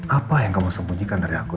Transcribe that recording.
apa yang kamu sembunyikan dari aku